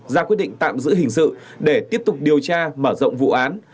ra quyết định tạm giữ hình sự để tiếp tục điều tra mở rộng vụ án